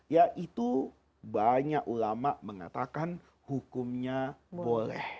ya itu banyak ulama mengatakan hukumnya boleh